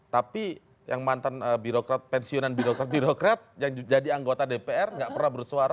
tapi yang mantan birokrat pensiunan birokrat birokrat yang jadi anggota dpr nggak pernah bersuara